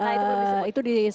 nah itu belum disuruh